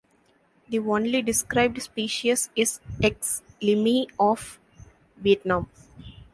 The only described species is X. lemeei of Vietnam.